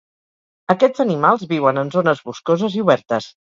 Aquests animals viuen en zones boscoses i obertes.